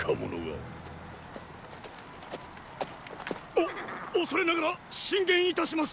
おっ恐れながら進言いたします！